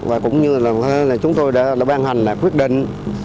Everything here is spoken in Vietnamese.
và cũng như là chúng tôi đã ban hành quyết định